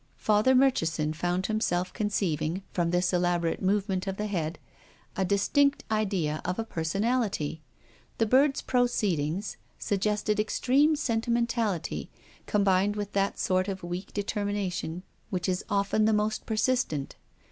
Father Murchison found himself conceiving — from this elaborate movement of the head — a distinct idea of a personality. The bird's proceedings sug gested extreme sentimentality combined with that sort of weak determination which is often the most persistent.